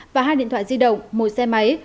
và hai điện thoại di động một xe máy